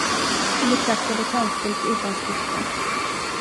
Hon betraktade tankfullt utanskriften.